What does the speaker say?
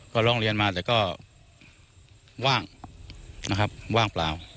ก็ร้องเรียนมาแต่ก็ว่างนะครับว่างเปล่า